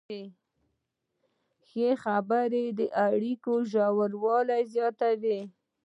ښې خبرې د اړیکو ژوروالی زیاتوي.